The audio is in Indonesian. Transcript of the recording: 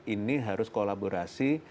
ini harus kolaborasi